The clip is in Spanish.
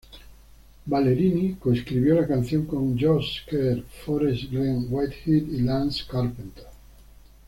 Ballerini co-escribió la canción con Josh Kerr, Forest Glen Whitehead y Lance Carpenter.